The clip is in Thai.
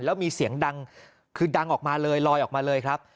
แล้วมีเสียงดังคือดังออกมาเลยลอยออกมาเลยครับ